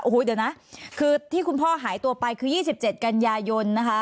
โอ้โหเดี๋ยวนะคือที่คุณพ่อหายตัวไปคือ๒๗กันยายนนะคะ